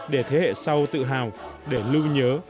để thế hệ sau tự hào để lưu nhớ